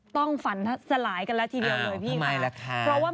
ต้องฝันสลายกันฟังว่า